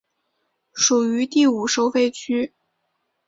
属于第五收费区。